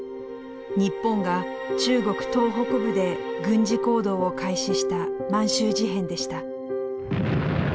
日本が中国東北部で軍事行動を開始した満州事変でした。